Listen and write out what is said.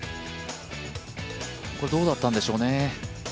これ、どうだったんでしょうね？